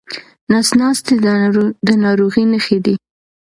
نس ناستي د ناروغۍ نښې دي.